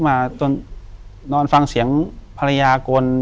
อยู่ที่แม่ศรีวิรัยิลครับ